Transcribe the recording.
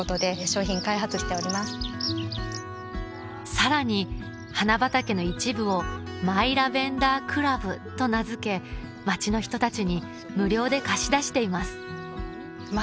さらに花畑の一部を「マイラベンダークラブ」と名付け街の人たちに無料で貸し出しています